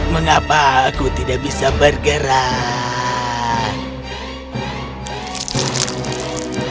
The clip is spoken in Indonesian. mengapa aku tidak bisa bergerak